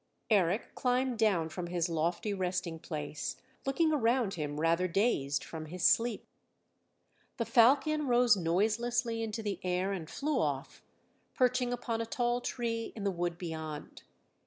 Eric climbed down from his lofty resting place, looking around him rather dazed from his sleep. The falcon rose noiselessly into the air and flew off, perching upon a tall tree in the wood beyond.